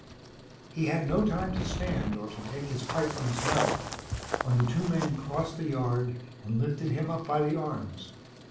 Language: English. He had no time to stand or to take his pipe from his mouth, when the two men crossed the yard and lifted him up by the arms.